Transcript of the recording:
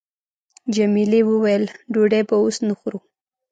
جميلې وويل:، ډوډۍ به اوس نه خورو.